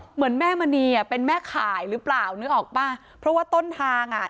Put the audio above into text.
เหมือนแม่มณีอ่ะเป็นแม่ข่ายหรือเปล่านึกออกป่ะเพราะว่าต้นทางอ่ะ